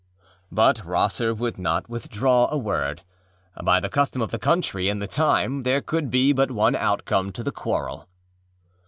â But Rosser would not withdraw a word. By the custom of the country and the time there could be but one outcome to the quarrel.